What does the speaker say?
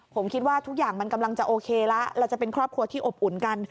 ผมคิดว่าทุกอย่างมันกำลังจะโอเคแล้วเราจะเป็นครอบครัวที่อบอุ่นกัน